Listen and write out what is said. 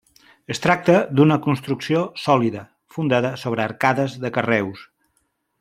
Es tracta d'una construcció sòlida, fundada sobre arcades de carreus.